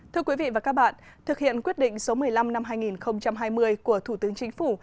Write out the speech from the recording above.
thưa quý vị và các bạn thực hiện quyết định số một mươi năm năm hai nghìn hai mươi của thủ tướng chính phủ